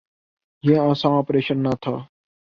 یہ آسان آپریشن نہ تھا۔